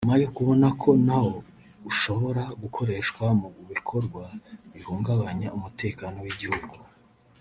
nyuma yo kubona ko na wo ushobora gukoreshwa mu bikorwa bihungabanya umutekano w’igihugu